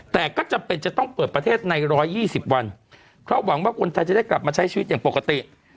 แต่ก็จำเป็นจะต้องเปิดประเทศใน๑๒๐วันเพราะหวังว่าคนไทยจะได้กลับมาใช้ชีวิตอย่างปกติ